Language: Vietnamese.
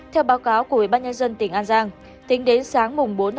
theo báo cáo của ủy ban nhân dân tỉnh an giang tính đến sáng bốn một mươi